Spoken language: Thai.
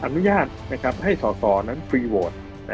อนุญาตให้สอสอนั้นฟรีโหวต